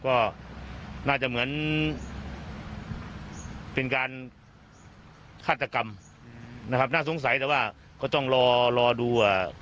ก็น่าจะเหมือนเป็นการฆาตกรรมนะครับน่าสงสัยแต่ว่าก็ต้องรอรอดูว่า